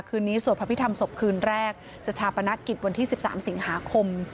คืนนี้สวดพระพิธรรมศพคืนแรกจะชาปนกิจวันที่๑๓สิงหาคม